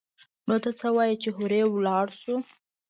نو ته څه وايي چې هورې ولاړ سو.